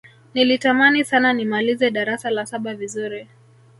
nilitamani sana nimalize darasa la saba vizuri